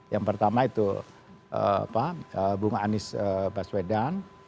yang pertama itu bunga anies baswedan